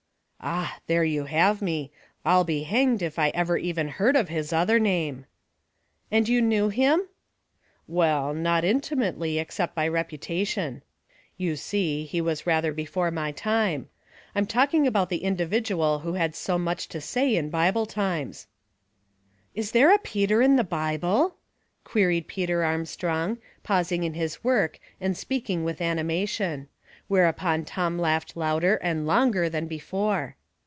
" Ah I there you have me. Pll be hanged if I ever even heard of his other name.'' " And you knew him ?"" Well, not intimately, except by reputation. Two Peters, 35 You see, he was rather before my time. I'm !;alking about the inclivklual who had so much to ^y in Bible times." '* Is there a Peter in the Bible ?" queried Pe ,er Armstrong, pausing in his work and speaking with animation. Whereupon Tom laughed lender and longer than before.